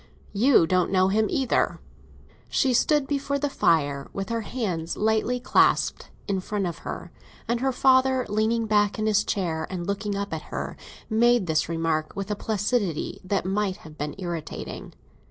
You don't know him either." She stood before the fire, with her hands lightly clasped in front of her; and her father, leaning back in his chair and looking up at her, made this remark with a placidity that might have been irritating.